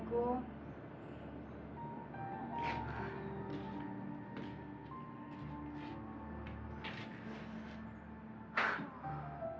kok malah gak mau bantu